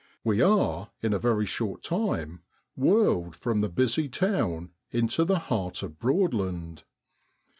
We are in a very short time whirled from the busy town into the heart of Broadland.